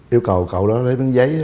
yêu cầu cậu đó lấy bức giấy